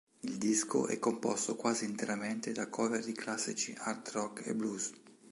Il disco è composto quasi interamente da cover di classici hard rock e blues.